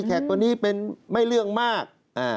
แขกคนนี้เป็นไม่เรื่องมาก